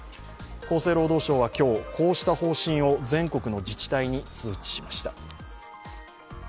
厚労省は今日、こうした方針を全国の自治体に通知しました。